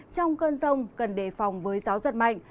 trong cơn rông cần đề phòng với gió giật mạnh